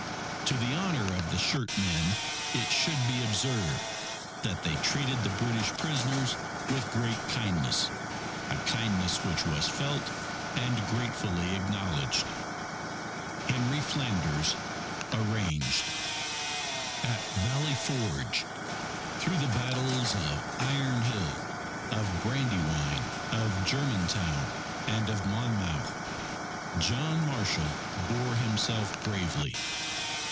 To the honour of the "shirt men," it should be observed, that they treated the British prisoners with great kindness a kindness which was felt and gratefully acknowledged. Henry Flanders (Arranged) AT VALLEY FORGE Through the battles of Iron Hill, of Brandywine, of Germantown, and of Monmouth, John Marshall bore himself bravely.